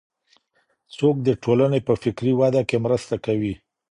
څوک د ټولني په فکري وده کي مرسته کوي؟